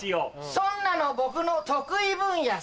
そんなの僕の得意分野さ。